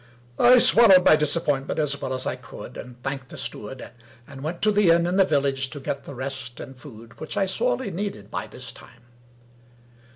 I swallowed my disappointment as well as I could, and thanked the steward, and went to the inn in the village to get the rest and food which I sorely needed by this time.